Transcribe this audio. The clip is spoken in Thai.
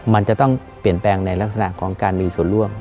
มันจะต้องเปลี่ยนแปลงในลักษณะของการมีส่วนร่วม